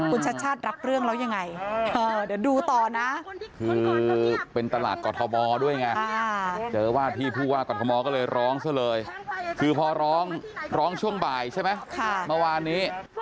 คุณชาชารับเรื่องแล้วยังไง